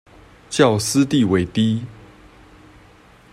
較私地為低